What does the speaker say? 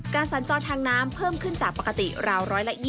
สัญจรทางน้ำเพิ่มขึ้นจากปกติราว๑๒๐